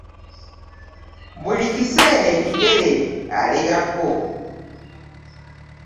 Buli kiseera ekigere alegako.